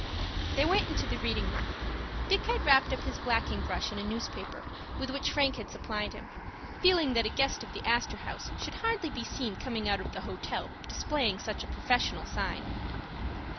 They went into the reading room. Dick had wrapped up his blacking brush in a newspaper with which Frank had supplied him, feeling that a guest of the Astor House should hardly be seen coming out of the hotel displaying such a professional sign.